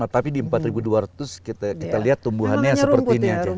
tapi di empat ribu dua ratus kita lihat tumbuhannya seperti ini aja